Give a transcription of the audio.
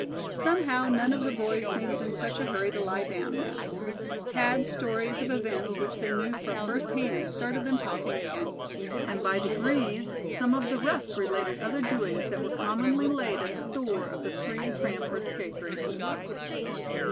Somehow none of the boys seemed in such a hurry to lie down now. Thad's stories of events which they knew from first hands started them talking again; and by degrees some of the rest related other doings that were commonly laid at the door of the three Cranford scapegraces.